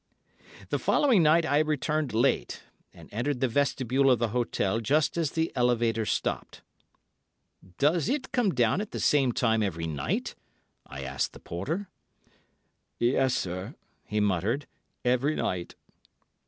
The following night I returned late, and entered the vestibule of the hotel just as the elevator stopped. "Does it come down at the same time every night?" I asked the porter. "Yes, sir," he muttered, "every night."